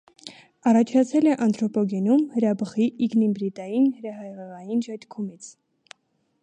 Առաջացել է անթրոպոգենում՝ հրաբխի իգնիմբրիտային (հրահեղեղային) ժայթքումից։